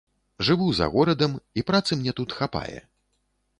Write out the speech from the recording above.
Жыву за горадам, і працы мне тут хапае.